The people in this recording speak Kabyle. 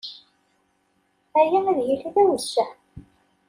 Aya ad yili d awezzeɛ.